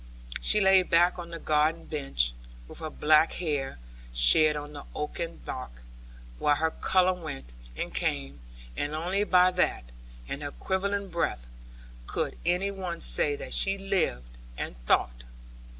She lay back on the garden bench, with her black hair shed on the oaken bark, while her colour went and came and only by that, and her quivering breath, could any one say that she lived and thought.